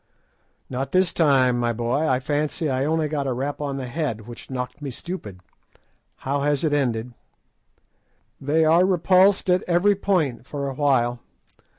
"Not this time, my boy. I fancy I only got a rap on the head, which knocked me stupid. How has it ended?" "They are repulsed at every point for a while.